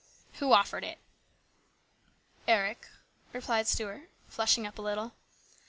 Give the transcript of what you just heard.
" Who offered it ?"" Eric," replied Stuart, flushing up a little.